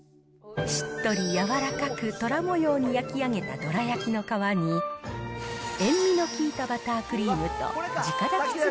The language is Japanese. しっとり柔らかくとら模様に焼き上げたどら焼きの皮に、塩味の利いたバタークリームと自家炊き